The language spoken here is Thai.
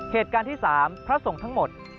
เหตุการณ์ที่๓พระสงฆ์ทั้งหมด